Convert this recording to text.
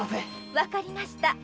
わかりました。